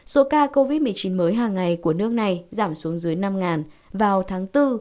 số ca covid một mươi chín mới hàng ngày của nước này giảm xuống dưới năm vào tháng bốn